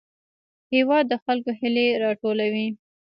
هېواد د خلکو هیلې راټولوي.